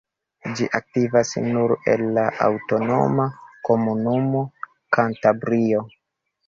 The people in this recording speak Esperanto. Ĝi aktivas nur en la aŭtonoma komunumo Kantabrio.